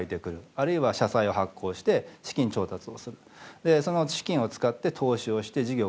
あるいは社債を発行して資金調達をする。